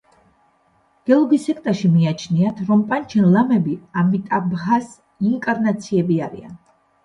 გელუგის სექტაში მიაჩნიათ, რომ პანჩენ ლამები ამიტაბჰას ინკარნაციები არიან.